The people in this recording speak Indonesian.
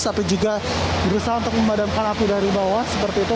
tapi juga berusaha untuk memadamkan api dari bawah seperti itu